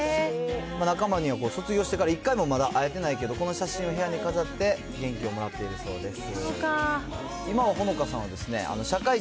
仲間には卒業してから、一回もまだ会えてないけど、この写真を部屋に飾って、元気をもらっているそうです。